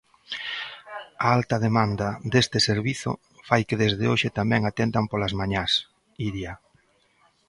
A alta demanda deste servizo fai que desde hoxe tamén atendan polas mañás, Iria.